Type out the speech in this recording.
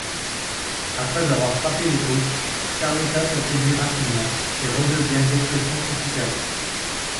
Après avoir frappé les côtes, Carlotta s'affaiblit rapidement et redevient dépression tropicale.